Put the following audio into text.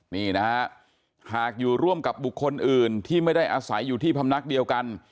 นี่นะฮะหากอยู่ร่วมกับบุคคลอื่นที่ไม่ได้อาศัยอยู่ที่พำนักเดียวกัน